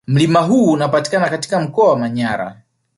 Mlima huu unapatikana katika mkoa wa Manyara